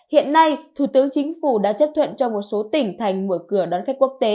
hiện nay thủ tướng chính phủ đã chấp thuận cho một số tỉnh thành mở cửa đón khách quốc tế